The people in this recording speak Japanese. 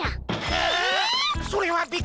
えっ！？